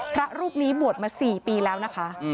พระรูปนี้บวชมา๔ปีแล้วนะคะ